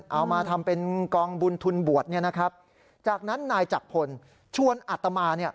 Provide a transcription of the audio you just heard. เอามาทำเป็นกองบุญทุนบวชจากนั้นนายจักพลชวนอัตมา